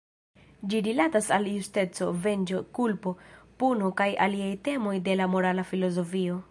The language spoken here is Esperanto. Ĝi rilatas al justeco, venĝo, kulpo, puno kaj aliaj temoj de la morala filozofio.